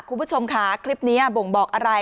คุณผู้ชมค่ะคลิปนี้บ่งบอกอะไร